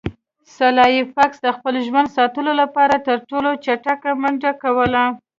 سلای فاکس د خپل ژوند ساتلو لپاره تر ټولو چټکه منډه کوله